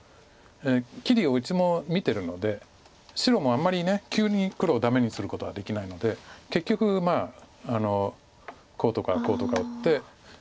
切りをいつも見てるので白もあんまり急に黒をダメにすることはできないので結局まあこうとかこうとか打って競り合いになっていく。